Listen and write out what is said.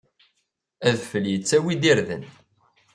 Adfel yettttawi-d irden.